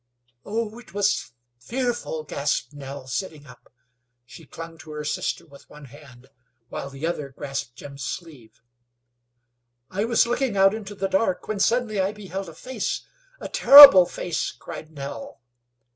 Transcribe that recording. "Oh, it was fearful!" gasped Nell, sitting up. She clung to her sister with one hand, while the other grasped Jim's sleeve. "I was looking out into the dark, when suddenly I beheld a face, a terrible face!" cried Nell.